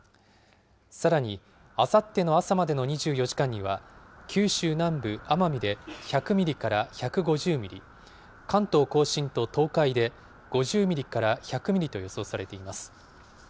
さらに、あさっての朝までの２４時間には、九州南部、奄美で１００ミリから１５０ミリ、関東甲信と東海で５０ミリから１００ミリと予想されています。